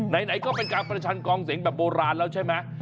ไหนก็เป็นการประชันกองเสียงแบบโบราณแล้วใช่ไหม